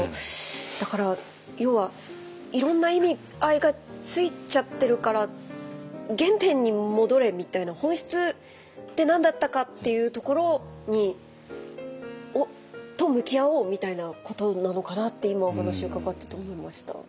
だから要はいろんな意味合いがついちゃってるから原点に戻れみたいな本質って何だったかっていうところと向き合おうみたいなことなのかなって今お話伺ってて思いました。